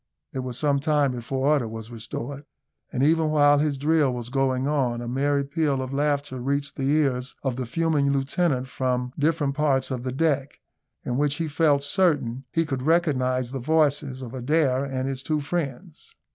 It was some time before order was restored; and even while his drill was going on, a merry peal of laughter reached the ears of the fuming lieutenant from different parts of the deck, in which he felt certain he could recognise the voices of Adair and his two friends.